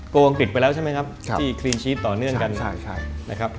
อังกฤษไปแล้วใช่ไหมครับที่คลีนชีสต่อเนื่องกันนะครับ